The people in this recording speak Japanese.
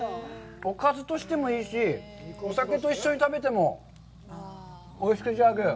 おかずとしてもいいし、お酒と一緒に食べても、おいしくいただける。